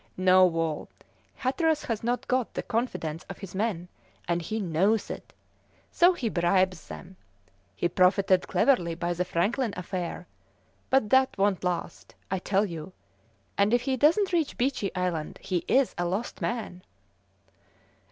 No, Wall, Hatteras has not got the confidence of his men, and he knows it, so he bribes them; he profited cleverly by the Franklin affair, but that won't last, I tell you, and if he doesn't reach Beechey Island he's a lost man!"